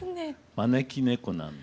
招き猫なんです。